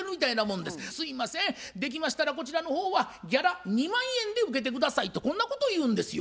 「すいませんできましたらこちらの方はギャラ２万円で受けて下さい」とこんなことを言うんですよ。